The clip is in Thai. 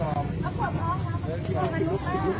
อันดับอันดับอันดับอันดับ